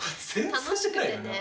楽しくてね。